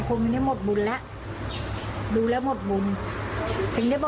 ครับ